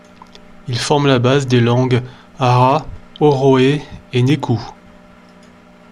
Il forme la base des langues arhâ, orowé et nékou.